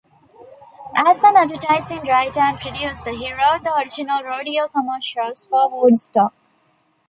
As an advertising writer and producer, he wrote the original radio commercials for Woodstock.